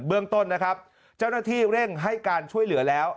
เรื่องต้นนะครับเจ้าหน้าที่เร่งให้การช่วยเหลือแล้ว